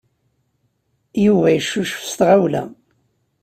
Yuba yeccucef s tɣawla.